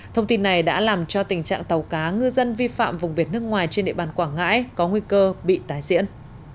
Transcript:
thông tin này đã làm cho tình trạng tàu cá ngư dân vi phạm vùng biển nước ngoài trên địa bàn quảng ngãi có nguy cơ bị tái diễn